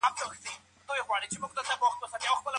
د پلار مینه د باران د څاڅکو په څېر زموږ په ژوند برکت راوړي.